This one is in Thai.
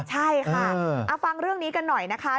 ใช่ค่ะฟังเรื่องนี้กันหน่อยนะคะ